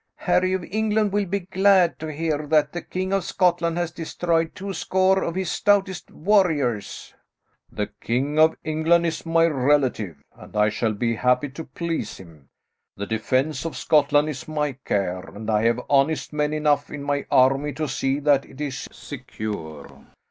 "Harry of England will be glad to hear that the King of Scotland has destroyed twoscore of his stoutest warriors." "The King of England is my relative, and I shall be happy to please him. The defence of Scotland is my care, and I have honest men enough in my army to see that it is secure.